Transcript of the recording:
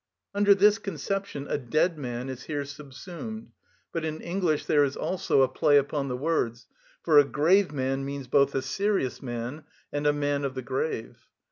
Under this conception a dead man is here subsumed; but in English there is also a play upon the words, for "a grave man" means both a serious man and a man of the grave.